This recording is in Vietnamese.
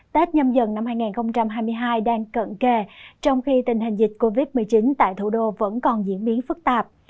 tết nhâm dần năm hai nghìn hai mươi hai đang cận kề trong khi tình hình dịch covid một mươi chín tại thủ đô vẫn còn diễn biến phức tạp